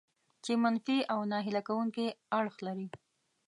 چې منفي او ناهیله کوونکي اړخ لري.